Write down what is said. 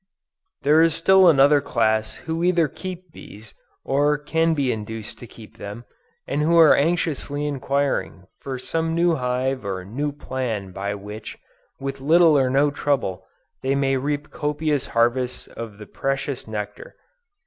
There is still another class who either keep bees or can be induced to keep them, and who are anxiously inquiring for some new hive or new plan by which, with little or no trouble, they may reap copious harvests of the precious nectar.